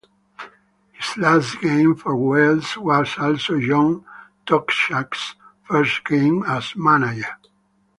His last game for Wales was also John Toshack's first game as manager.